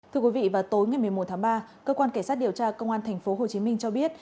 thưa quý vị vào tối ngày một mươi một tháng ba cơ quan cảnh sát điều tra công an tp hcm cho biết